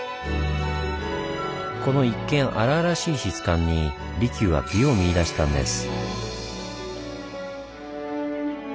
この一見荒々しい質感に利休は「美」を見いだしたんです。